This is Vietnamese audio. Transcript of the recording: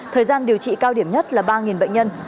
thời gian điều trị cao điểm nhất là ba bệnh nhân